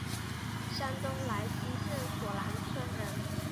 山东莱西县索兰村人。